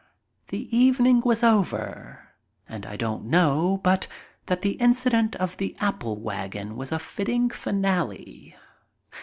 The eve ning was over and I don't know but that the incident of the apple wagon was a fitting finale.